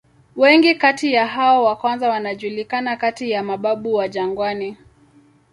Wengi kati ya hao wa kwanza wanajulikana kati ya "mababu wa jangwani".